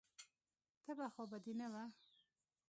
تبه خو به دې نه وه.